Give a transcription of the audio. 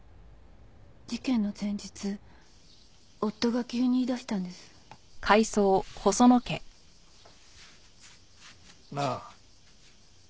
事件の前日夫が急に言い出したんです。なあ。